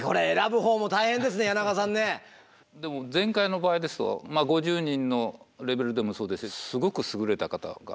でも前回の場合ですと５０人のレベルでもそうですしすごくすぐれた方が多いんですよね。